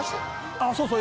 あっそうそう。